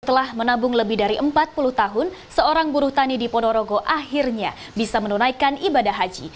setelah menabung lebih dari empat puluh tahun seorang buruh tani di ponorogo akhirnya bisa menunaikan ibadah haji